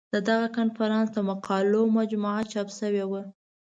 د دغه کنفرانس د مقالو مجموعه چاپ شوې وه.